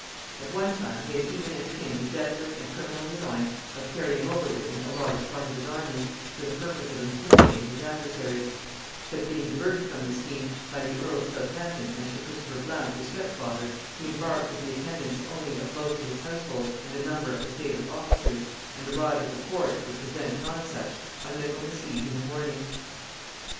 At one time he had even entertained the desperate and criminal design of carrying over with him a large part of his army, for the purpose of intimidating his adversaries; but being diverted from this scheme by the earl of Southampton and sir Christopher Blount his step father, he embarked with the attendance only of most of his household and a number of his favorite officers, and arrived at the court, which was then at Nonsuch, on Michaelmas eve in the morning.